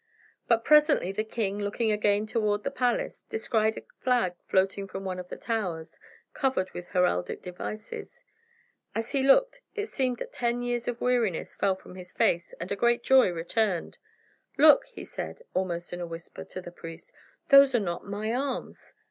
But presently the king, looking again toward the palace, descried a flag floating from one of the towers, covered with heraldic devices. As he looked, it seemed that ten years of weariness fell from his face, and a great joy returned. "Look," he said, almost in a whisper, to the priest, "those are not my arms!..."